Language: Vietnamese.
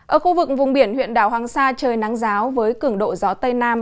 ở khu vực vùng biển huyện đảo hoàng sa trời nắng giáo với cường độ gió tây nam